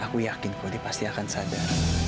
aku yakin kau dia pasti akan sadar